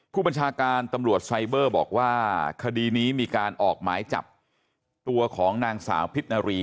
ผู้บัญชาการตำรวจไซเบอร์บอกว่าคดีนี้มีการออกหมายจับตัวของนางสาวพิษนารี